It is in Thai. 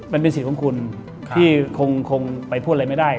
มันเป็นสิทธิ์ของคุณที่คงไปพูดอะไรไม่ได้